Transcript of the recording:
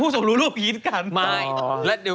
ผู้สูงรู้แบบนี้ด้วยกัน